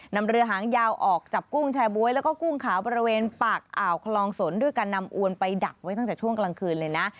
นำเรือหางยาวออกจับกุ้งแชร์บ๊วยแล้วก็กุ้งขาวบริเวณปากอ่าวคลองสนด้วยการนำอวนไปดักไว้ตั้งแต่ช่วงกลางคืนเลยนะ